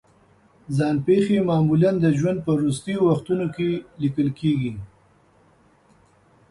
ځان پېښې معمولا د ژوند په وروستیو وختونو کې لیکل کېږي.